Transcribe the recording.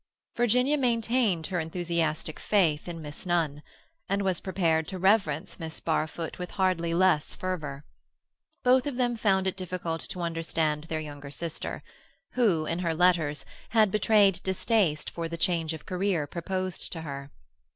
Virginia maintained her enthusiastic faith in Miss Nunn, and was prepared to reverence Miss Barfoot with hardly less fervour. Both of them found it difficult to understand their young sister, who, in her letters, had betrayed distaste for the change of career proposed to her.